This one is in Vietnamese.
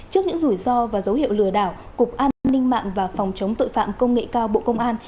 trước những rủi ro và dấu hiệu lừa đảo cục an ninh mạng và phòng chống tội phạm công nghệ cao bộ công an